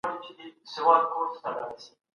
موږ د ټولني هر اړخ په پرمختیا کي شمېرو.